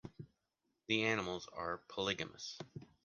The animals are polygamous.